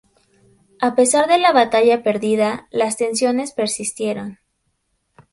A pesar de la batalla perdida, las tensiones persistieron.